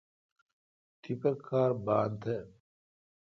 تیپہ کار بان تھ